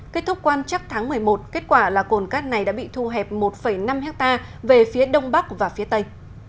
kết thúc quan chắc tháng một mươi một kết quả là cồn cát này đã bị thu hẹp một năm hectare về phía đông bắc và phía tây